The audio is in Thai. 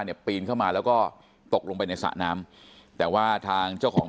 ปีนเข้ามาแล้วก็ตกลงไปในสระน้ำแต่ว่าทางเจ้าของ